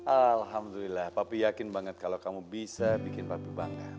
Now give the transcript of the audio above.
alhamdulillah papi yakin banget kalau kamu bisa bikin papi bangga